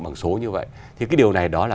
bằng số như vậy thì cái điều này đó là